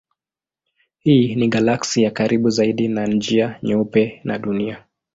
Hii ni galaksi ya karibu zaidi na Njia Nyeupe na Dunia.